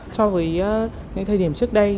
so với những thời điểm trước đây